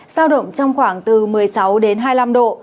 sao động trong khoảng từ một mươi sáu đến hai mươi năm độ